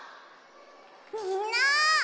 みんな！